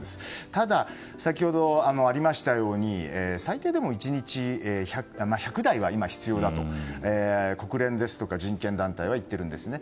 ただ、先ほどもありましたように最低でも１日１００台は今必要だと、国連ですとか人権団体は言ってるんですね。